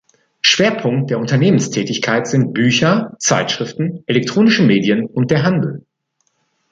Schwerpunkt der Unternehmenstätigkeit sind Bücher, Zeitschriften, elektronische Medien und der Handel.